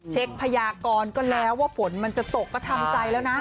พยากรก็แล้วว่าฝนมันจะตกก็ทำใจแล้วนะ